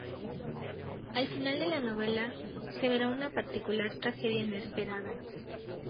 Al final de la novela, se verá una particular tragedia inesperada.